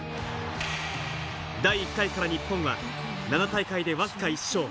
第１回から日本は７大会でわずか１勝。